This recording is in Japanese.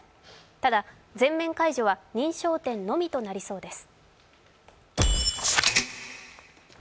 ただ全面解除は認証店のみとなりそうです。